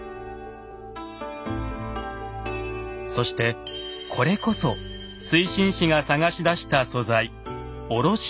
そしてこれこそ水心子が探し出した素材卸鉄。